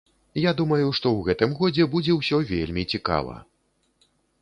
Я думаю, што ў гэтым годзе будзе ўсё вельмі цікава.